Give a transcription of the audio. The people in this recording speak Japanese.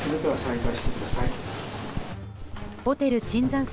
ホテル椿山荘